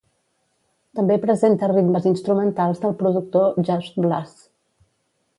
També presenta ritmes instrumentals del productor Just Blaze.